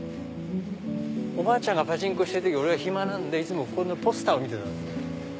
おばあちゃんがパチンコしてる時俺が暇なんでいつもここのポスターを見てたんです。